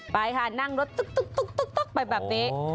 ไปค่ะนั่งรถตุ๊กไปแบบนี้